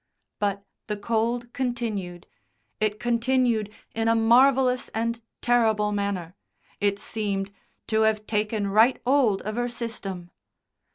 But the cold continued it continued in a marvellous and terrible manner. It seemed "to 'ave taken right 'old of 'er system."